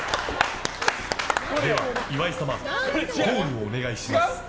では、岩井様コールをお願いします。